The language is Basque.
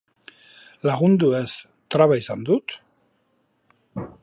Lagundu ez, traba izan dut?